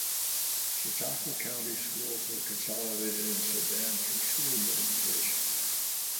Chautauqua County schools were consolidated in Sedan through school unification.